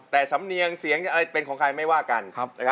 แต่สำเนียงเสียงเป็นของใครไม่ว่ากัน